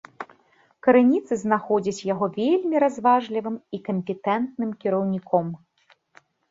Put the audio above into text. Крыніцы знаходзяць яго вельмі разважлівым і кампетэнтным кіраўніком.